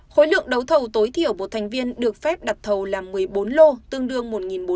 khối lượng đấu thầu tối thiểu một thành viên được phép đặt thầu là một mươi bốn lô tương đương một